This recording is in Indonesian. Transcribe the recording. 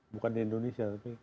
bukan di indonesia tapi